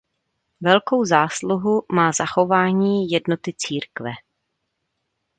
Velkou zásluhu má zachování jednoty církve.